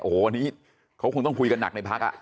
โอ้โหอันนี้เขาคงต้องคุยกันหนักในพักอ่ะ